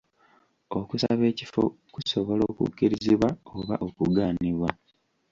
Okusaba ekifo kusobola okukkirizibwa oba okugaanibwa.